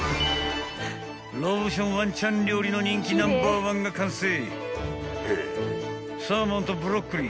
［ロブションワンちゃん料理の人気ナンバーワンが完成］